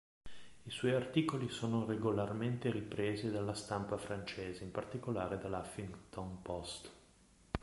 I suoi articoli sono regolarmente ripresi dalla stampa francese, in particolare dall’ Huffington Post.